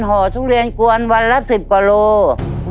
หอทุเรียงกวนวันละ๑๐กว่าโลกรัม